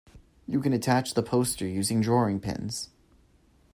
You can attach the poster using drawing pins